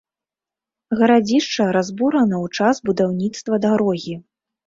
Гарадзішча разбурана ў час будаўніцтва дарогі.